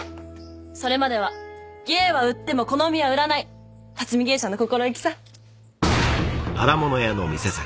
それまでは芸は売ってもこの身は売らない辰巳芸者の心意気さおい